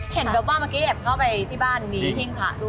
เห็นแบบว่าเมื่อกี้แอบเข้าไปที่บ้านมีหิ้งพระด้วย